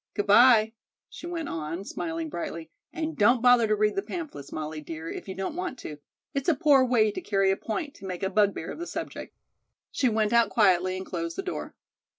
Good bye," she went on, smiling brightly, "and don't bother to read the pamphlets, Molly, dear, if you don't want to. It's a poor way to carry a point to make a bugbear of the subject." She went out quietly and closed the door.